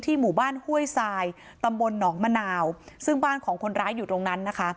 หมู่บ้านห้วยทรายตำบลหนองมะนาวซึ่งบ้านของคนร้ายอยู่ตรงนั้นนะคะ